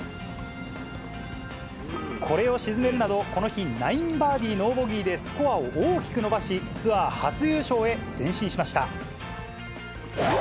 これを沈めるなど、この日９バーディーノーボギーで、スコアを大きく伸ばし、ツアー初優勝へ前進しました。